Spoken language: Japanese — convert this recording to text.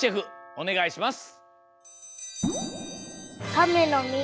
おねがいします。